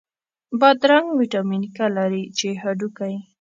بادرنګ ویټامین K لري، چې هډوکی